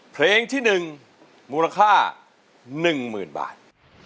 เพลงที่หนึ่งมูลค่าหนึ่งหมื่นบาท